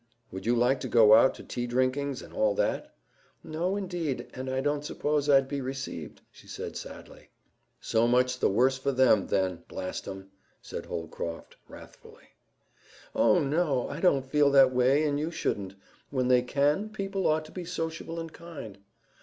"Would you like to go out to tea drinkings, and all that?" "No, indeed; and I don't suppose I'd be received," she added sadly. "So much the worse for them, then, blast 'em!" said Holcroft wrathfully. "Oh no! I don't feel that way and you shouldn't. When they can, people ought to be sociable and kind."